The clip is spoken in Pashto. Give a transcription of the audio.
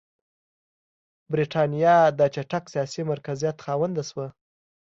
برېټانیا د چټک سیاسي مرکزیت خاونده شوه.